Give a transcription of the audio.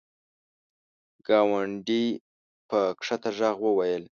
ګاونډي په کښته ږغ وویل !